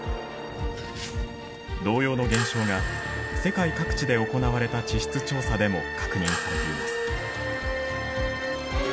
同様の現象が世界各地で行われた地質調査でも確認されています。